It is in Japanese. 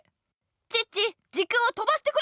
チッチ時空をとばしてくれ！